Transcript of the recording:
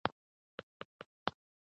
پروبیوتیکونه د مایکروبونو توازن ساتي.